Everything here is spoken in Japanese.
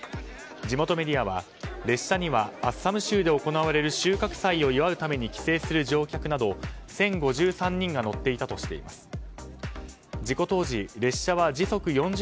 地元メディアは列車にはアッサム州で行われる収穫祭を祝うために帰省する乗客など１０５３人が乗っていたとしています。